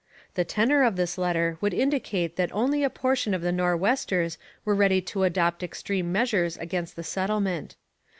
The tenor of this letter would indicate that only a portion of the Nor'westers were ready to adopt extreme measures against the settlement.